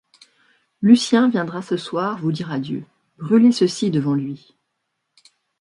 Lucien viendra ce soir vous dire adieu, brûlez ceci devant lui...